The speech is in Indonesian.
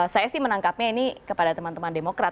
saya sih menangkapnya ini kepada teman teman demokrat